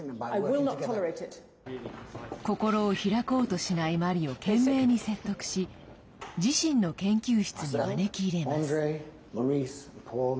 心を開こうとしないマリを懸命に説得し自身の研究室に招き入れます。